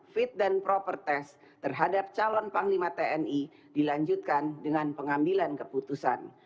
fit dan proper test terhadap calon panglima tni dilanjutkan dengan pengambilan keputusan